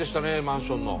マンションの。